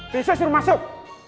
bisa suruh masuk